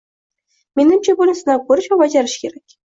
Menimcha, buni sinab koʻrish va bajarish kerak.